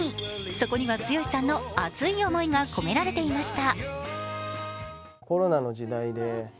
そこには剛さんの熱い思いが込められていました。